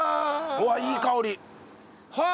うわっいい香り！